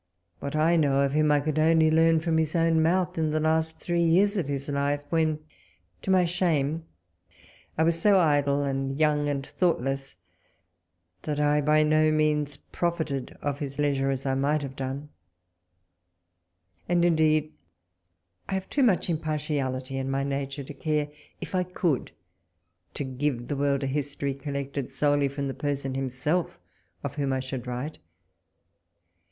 What I know of him I could only learn from his own mouth in the last three years of his life ; when, to my shame, I was so idle, and young, and thought less, that I by no means profited of his leisure as I might have done ; and, indeed, I have too much impartiality in my nature to care, if I fiS WALPOLe's LETTER;:^. could, to give the world a history, collected solely from the person himself of whom 1 should write.